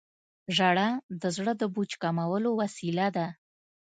• ژړا د زړه د بوج کمولو وسیله ده.